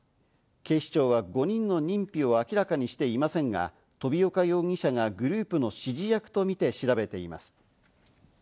警視庁は５人の認否を明らかにしていませんが、飛岡容疑者がグループの指示役とみて調べています。